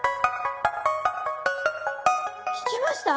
聞きました？